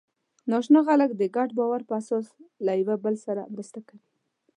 ناآشنا خلک د ګډ باور په اساس له یوه بل سره مرسته کوي.